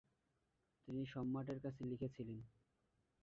তিনি সম্রাটের কাছে লিখেছিলেন।